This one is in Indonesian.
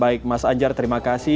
baik mas anjar terima kasih